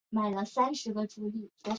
香西元盛是日本战国时代武将。